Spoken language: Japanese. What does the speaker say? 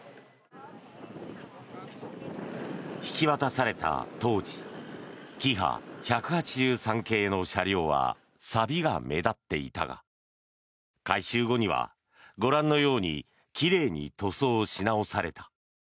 引き渡された当時キハ１８３系の車両はさびが目立っていたが改修後にはご覧のように奇麗に塗装し直された。